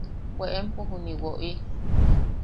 –¡Bwe empo juniʼi woʼi!